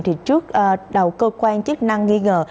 thì trước đầu cơ quan chức năng nghi ngờ